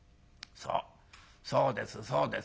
そうですそうです。